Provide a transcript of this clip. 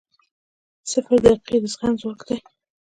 • دقیقه د زغم ځواک دی.